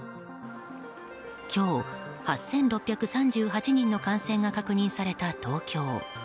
今日、８６３８人の感染が確認された東京。